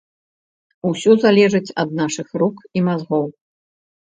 Усё залежыць ад нашых рук і мазгоў.